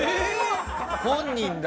本人だ。